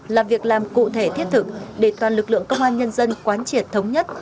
làm việc làm cụ thể thiết thực để toàn lực lượng công an nhân dân quán triển thống nhất